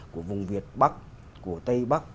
của vùng việt bắc của tây bắc